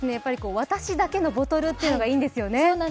私だけのボトルっていうのがいいですよね。